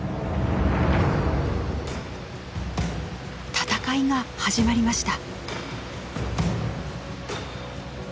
戦いが始まりました。